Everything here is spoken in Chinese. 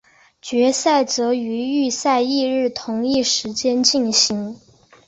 决赛则于预赛翌日同一时间进行。